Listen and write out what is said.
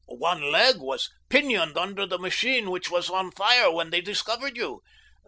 "One leg was pinioned beneath the machine which was on fire when they discovered you.